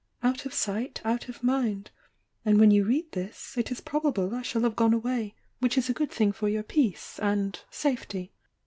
|Out of sight, out of mind'— and when you read this, it is probable I shall have gone away, which is a good THE YOUNG DIANA 869 thing for your peace, and— safety.